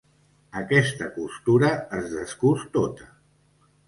Aquesta costura es descús tota.